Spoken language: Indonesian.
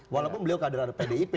walaupun beliau kaderan pdip